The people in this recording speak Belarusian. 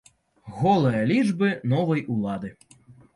Голыя лічбы новай улады.